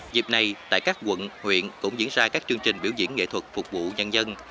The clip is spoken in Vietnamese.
dịp này tại các quận huyện cũng diễn ra các chương trình biểu diễn nghệ thuật phục vụ nhân dân